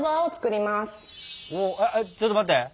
ちょっと待って。